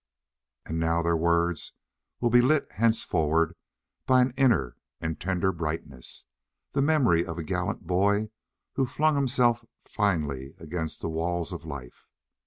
And now their words will be lit henceforward by an inner and tender brightness the memory of a gallant boy who flung himself finely against the walls of life.